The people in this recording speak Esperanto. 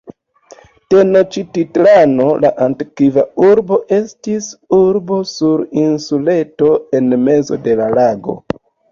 Tenoĉtitlano, la antikva urbo, estis urbo sur insuleto en mezo de lago.